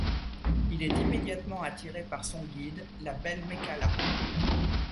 Il est immédiatement attiré par son guide, la belle Mekhala.